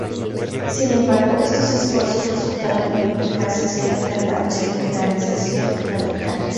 Sin embargo, estos esfuerzos resultaron ineficaces frente a la occidentalización radical.